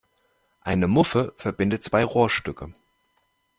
Eine Muffe verbindet zwei Rohrstücke.